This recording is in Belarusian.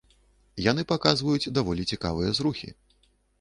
Яны паказваюць даволі цікавыя зрухі.